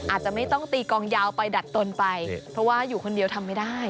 อาจจะไม่ต้องตีกองยาวไปดัดตนไปเพราะว่าอยู่คนเดียวทำไม่ได้